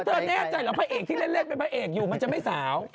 เฮ้ยว่าเธอแน่ใจเหรอพระเอกที่เล่นเล่นเป็นพระเอกอยู่มันจะไม่สาว